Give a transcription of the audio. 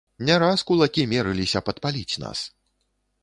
Не раз кулакі мерыліся падпаліць нас.